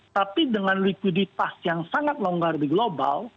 tapi dengan likuiditas yang sangat longgar di global